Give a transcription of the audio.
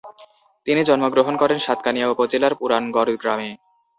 তিনি জন্মগ্রহণ করেন সাতকানিয়া উপজেলার পুরানগড় গ্রামে।